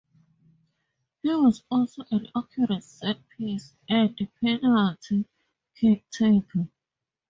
He was also an accurate set piece and penalty-kick taker.